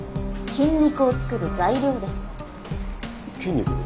筋肉？